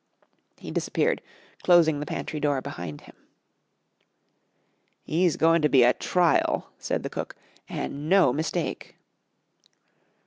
He disappeared, closing the pantry door behind him. "'E's goin' to be a trile," said the cook, "an' no mistake."